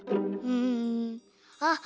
うんあっ